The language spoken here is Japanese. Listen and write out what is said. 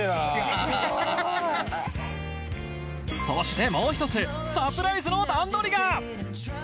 そしてもう一つサプライズの段取りが！